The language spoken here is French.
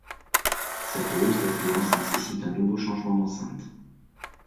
Cette hausse d'affluence nécessite un nouveau changement d'enceinte.